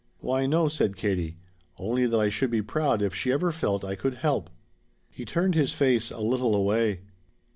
"Why no," said Katie; "only that I should be proud if she ever felt I could help." He turned his face a little away.